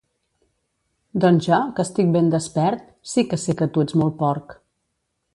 Doncs jo, que estic ben despert, sí que sé que tu ets molt porc.